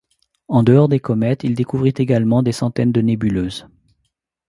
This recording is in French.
En dehors des comètes, il découvrit également des centaines de nébuleuses.